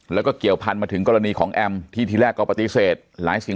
แล้วก็เกี่ยวพันมาถึงกรณีของแอมที่ทีแรกก็ปฏิเสธหลายสิ่ง